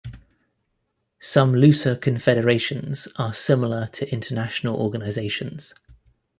Some looser confederations are similar to international organisations.